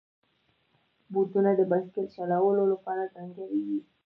بوټونه د بایسکل چلولو لپاره ځانګړي وي.